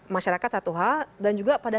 masyarakat satu hal dan juga pada